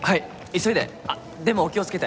急いであっでもお気をつけて。